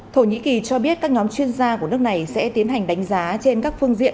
thổ nhĩ kỳ cho biết các nhóm chuyên gia của nước này sẽ tiến hành đánh giá trên các phương diện